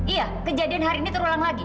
iya kejadian hari ini terulang lagi